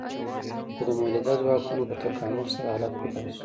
خو د مؤلده ځواکونو په تکامل سره حالت بدل شو.